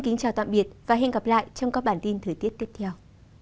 xin chào và hẹn gặp lại trong các bản tin thời tiết tiếp theo